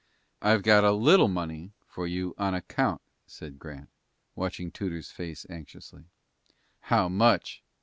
"I've got a little money for you on account," said Grant, watching Tudor's face anxiously. "How much?"